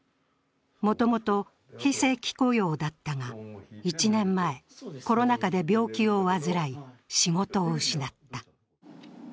もともと非正規雇用だったが１年前、コロナ禍で病気を患い仕事を失った。